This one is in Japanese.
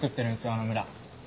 あの村。